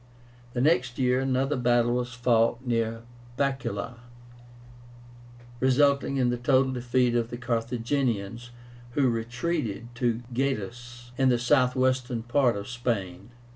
The next year another battle was fought near Baecula, resulting in the total defeat of the Carthaginians, who retreated to Gadus, in the southwestern part of Spain.